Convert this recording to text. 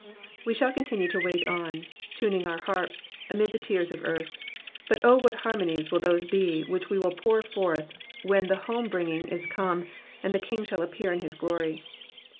We shall continue to wait on, tuning our harps, amid the tears of eartn ; but O what harmonies will those be which we will pour forth, when the home bringing is come, and the King shall appear in his glory.